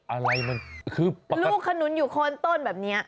อะไรมันคือลูกขนุนอยู่โคนต้นแบบนี้